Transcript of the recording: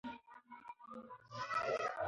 ور د رحیم د لغتې له امله مات شو.